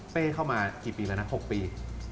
เป้เข้ามากี่ปีแล้วนะ๖ปี